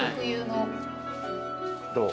どう？